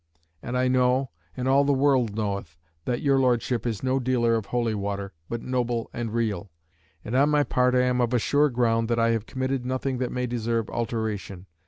And I know, and all the world knoweth, that your Lordship is no dealer of holy water, but noble and real; and on my part I am of a sure ground that I have committed nothing that may deserve alteration.